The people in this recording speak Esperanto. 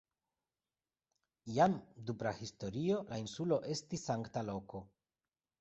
Jam dum prahistorio la insulo estis sankta loko.